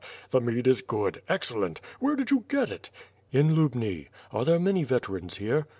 The mead is good, excellent! Where did you get it?" "In Lubni. Are there many veterans here?"